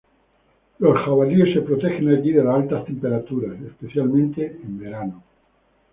Los jabalíes se protegen aquí de las altas temperaturas especialmente en verano.